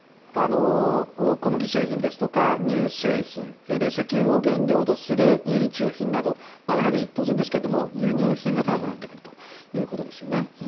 小麦製品ですとか乳製品石油を原料とする日用品などやはり当然ですが輸入品が高くなってくると。